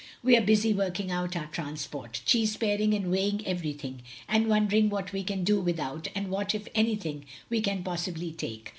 "... We are busy working out our transport^ cheese paring and weighing everything^ and won dering what we can do without and what, if anything, we can possibly take.